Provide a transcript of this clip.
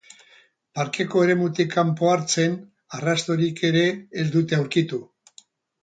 Parkeko eremutik kanpo hartzen arrastorik ere ez dute aurkitu.